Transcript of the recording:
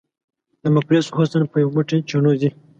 د مفلس حسن په یو موټی چڼو ځي.